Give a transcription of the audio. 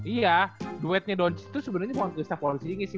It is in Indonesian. iya dwightnya don cis itu sebenernya bukan clista pozingis sih